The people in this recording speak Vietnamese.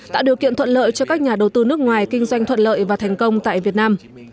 tạo điều kiện thuận lợi cho các nhà đầu tư nước ngoài kinh doanh thuận lợi và thành công tại việt nam